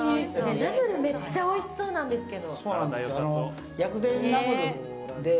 ナムルめっちゃおいしそうなんですけど。